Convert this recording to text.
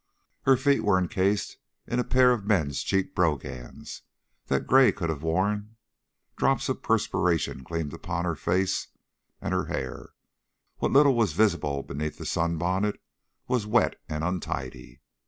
Her feet were incased in a pair of men's cheap "brogans" that Gray could have worn; drops of perspiration gleamed upon her face, and her hair, what little was visible beneath the sunbonnet, was wet and untidy.